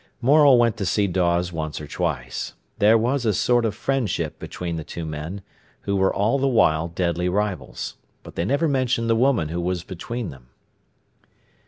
Morel went to see Dawes once or twice. There was a sort of friendship between the two men, who were all the while deadly rivals. But they never mentioned the woman who was between them.